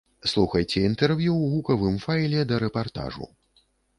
Слухайце інтэрв'ю ў гукавым файле да рэпартажу.